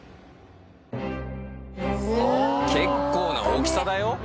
結構な大きさだよ。